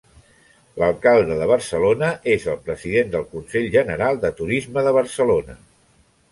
L'alcalde de Barcelona és el president del Consell General de Turisme de Barcelona.